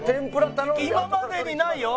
「今までにないよ！」